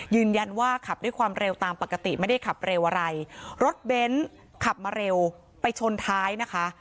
ขับด้วยความเร็วตามปกติไม่ได้ขับเร็วอะไรรถเบนท์ขับมาเร็วไปชนท้ายนะคะ